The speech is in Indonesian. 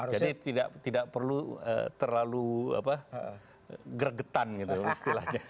jadi tidak perlu terlalu apa gregetan gitu istilahnya